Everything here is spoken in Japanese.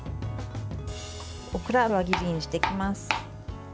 オクラは輪切りにしていきます。